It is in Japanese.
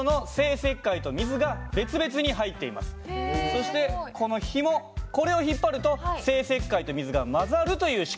そしてこのひもこれを引っ張ると生石灰と水が混ざるという仕組みなんですね。